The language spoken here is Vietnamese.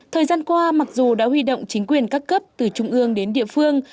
thời gian qua mặc dù đã huy động chính quyền các cấp từ trung ương đến địa phương